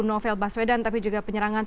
novel baswedan tapi juga penyerangan